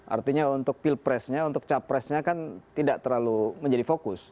artinya untuk pilpresnya untuk capresnya kan tidak terlalu menjadi fokus